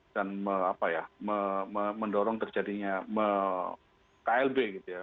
dan mendorong terjadinya klb